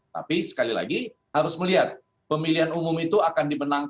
tapi sekali lagi harus melihat pemilihan umum itu akan dimenangkan